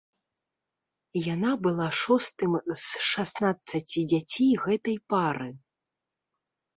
Яна была шостым з шаснаццаці дзяцей гэтай пары.